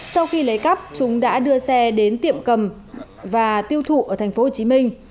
sau khi lấy cắp chúng đã đưa xe đến tiệm cầm và tiêu thụ ở thành phố hồ chí minh